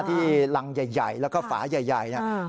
ที่ลังใหญ่ใหญ่แล้วก็ฝาใหญ่ใหญ่น่ะอืม